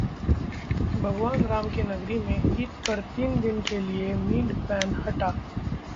भगवान राम की नगरी में ईद पर तीन दिन के लिए मीट बैन 'हटा'